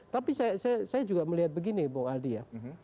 tapi saya juga melihat begini bu aldi ya